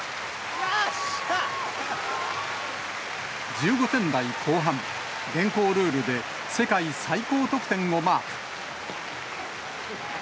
１５点台後半、現行ルールで世界最高得点をマーク。